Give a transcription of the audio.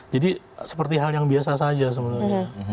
jadi seperti hal yang biasa saja sebenarnya